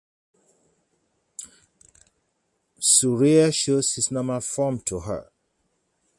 Surya shows his normal form to her.